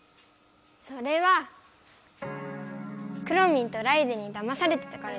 それはくろミンとライデェンにだまされてたからでしょ？